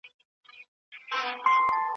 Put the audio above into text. دا ځانګړتیاوې ستاسو ارزښت لوړوي.